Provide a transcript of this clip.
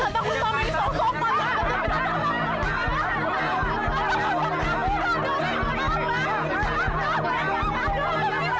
tante aku selama ini selalu kopat sama tante